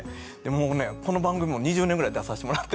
もうねこの番組も２０年ぐらい出さしてもらってるんです。